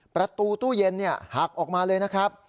ประตูตู้เย็นหักออกมาเลยนะครับ